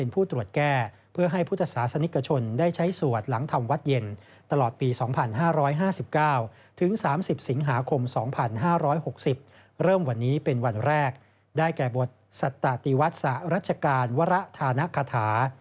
เพิ่มวันนี้เป็นวันแรกได้แก่บทสัตตาติวัตสะรัชกาลวระธานคาธา